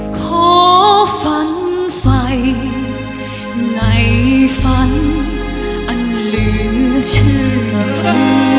ขอฝันไฟในฝันอันเหลือเชื่อ